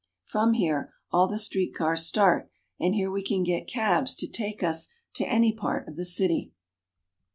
From here all the street cars start, and here we can get cabs to take us to any part of the city.